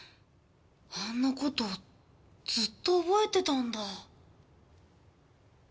あんなことずっと覚えてたんだ。